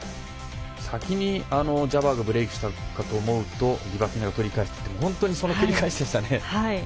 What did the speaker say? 先にジャバーがブレークしたかと思うとリバキナが取り返して本当にその繰り返しでしたね。